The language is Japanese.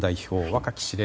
若き指令